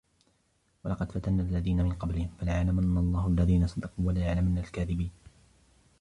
وَلَقَد فَتَنَّا الَّذينَ مِن قَبلِهِم فَلَيَعلَمَنَّ اللَّهُ الَّذينَ صَدَقوا وَلَيَعلَمَنَّ الكاذِبينَ